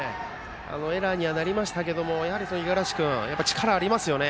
エラーにはなりましたけどもやはり五十嵐君は力がありますよね。